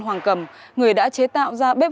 hoàng cầm người đã chế tạo ra bếp